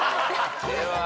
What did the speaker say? では